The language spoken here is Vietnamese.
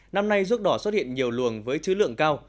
năm nay ruốc đỏ xuất hiện nhiều luồng với chữ lượng cao